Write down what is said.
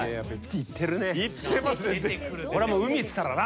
行ってますね。